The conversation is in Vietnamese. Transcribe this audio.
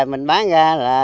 mình bán ra là